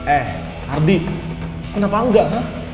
eh ardi kenapa enggak